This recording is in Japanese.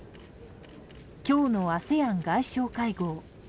今日のＡＳＥＡＮ外相会合。